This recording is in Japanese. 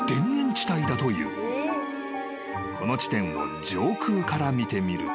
［この地点を上空から見てみると］